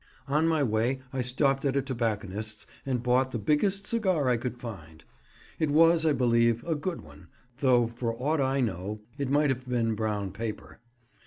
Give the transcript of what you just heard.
On my way I stopped at a tobacconist's and bought the biggest cigar I could find. It was, I believe, a good one, though for aught I knew it might have been brown paper.